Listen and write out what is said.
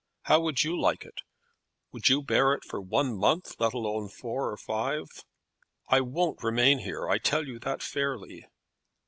How would you like it? Would you bear it for one month, let alone four or five? I won't remain here; I tell you that fairly."